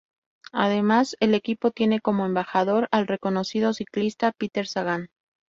Además, el equipo tiene como embajador al reconocido ciclista Peter Sagan.